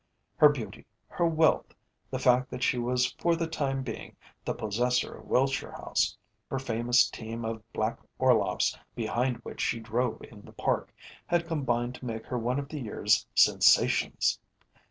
Her beauty, her wealth, the fact that she was for the time being the possessor of Wiltshire House, her famous team of black Orloffs, behind which she drove in the Park, had combined to make her one of the year's sensations.